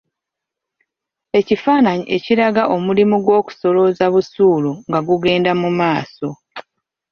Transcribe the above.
Ekifaananyi ekiraga omulimu gw’okusolooza busuulu nga gugenda mu maaso.